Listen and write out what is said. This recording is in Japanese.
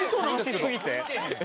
楽しすぎて？